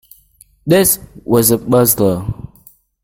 This was a puzzler.